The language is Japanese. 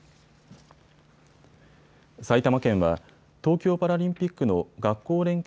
埼玉県は東京パラリンピックの学校連携